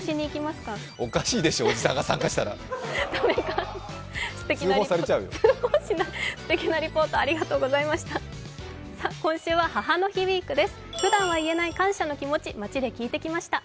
すてきなリポートありがとうございました。